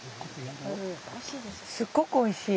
すっごくおいしい。